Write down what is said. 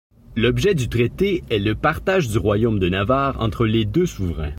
L'objet du traité est le partage du royaume de Navarre entre les deux souverains.